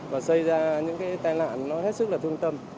và xây ra những cái tai nạn nó hết sức là thương tâm